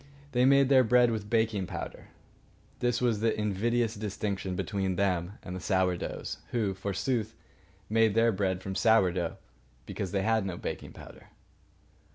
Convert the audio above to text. They made their bread with baking powder. This was the invidious distinction between them and the Sour doughs, who, forsooth, made their bread from sour dough because they had no baking powder.